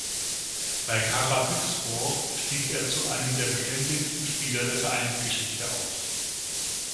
Bei Karabükspor stieg er zu einem der beständigsten Spieler der Vereinsgeschichte auf.